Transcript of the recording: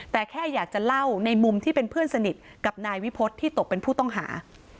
แต่แค่อยากจะเล่าในมุมที่เป็นเพื่อนสนิทกับนายวิพฤษที่ตกเป็นผู้ต้องหา